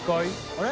あれ？